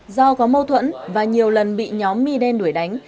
do có mâu thuẫn và nhiều lần bị nhóm mi đen đuổi đánh